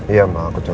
iya emang aku cobain